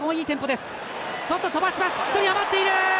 １人、余っている！